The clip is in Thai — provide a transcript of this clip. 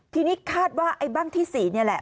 ทีนี้คาดว่าไอ้บ้างที่๔นี่แหละ